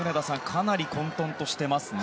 かなり混沌としていますね。